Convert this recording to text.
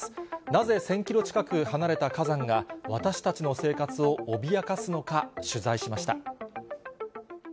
なぜ１０００キロ近く離れた火山が、私たちの生活を脅かすのか、取材しました。